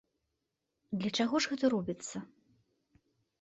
Для чаго ж гэта робіцца?